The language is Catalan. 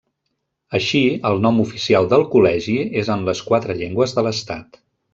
Així, el nom oficial del Col·legi és en les quatre llengües de l'Estat.